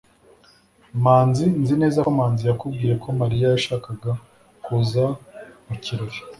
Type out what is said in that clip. manzi nzi neza ko manzi yakubwiye ko mariya yashakaga kuza mu kirori